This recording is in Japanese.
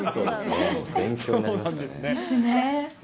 勉強になりましたね。ですね。